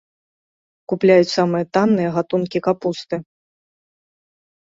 Купляюць самыя танныя гатункі капусты.